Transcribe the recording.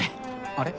あれ？